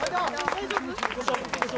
大丈夫？